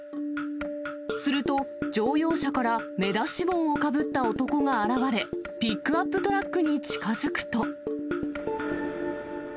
すると、乗用車から目出し帽をかぶった男が現れ、ピックアップトラックに近づくと。